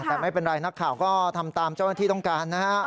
แต่ไม่เป็นไรนักข่าวก็ทำตามเจ้าหน้าที่ต้องการนะฮะ